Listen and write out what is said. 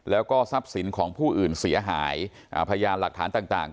แล้วก็ทรัพย์สินของผู้อื่นเสียหายพยานหลักฐานต่าง